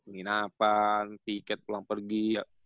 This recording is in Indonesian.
minapan tiket pulang pergi